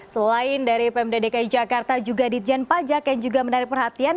selain dari pmd dki jakarta juga ditjen pajak yang juga menarik perhatian